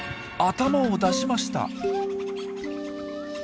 頭を出しました。